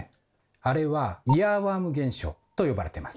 あれはイヤーワーム現象と呼ばれてます。